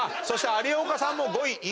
そして有岡さんも５位。